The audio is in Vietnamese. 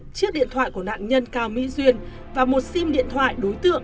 chiếc điện thoại của nạn nhân cao mỹ duyên và một sim điện thoại đối tượng